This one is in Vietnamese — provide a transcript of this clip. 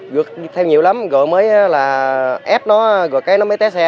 gượt theo nhiều lắm rồi mới là ép nó rồi nó mới té xe